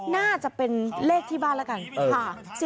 น่าจะเป็นเลขที่บ้านแล้วกัน